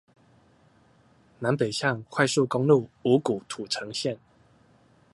南北向快速公路五股土城線